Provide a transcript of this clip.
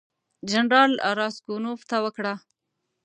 جنرال راسګونوف ته وکړه.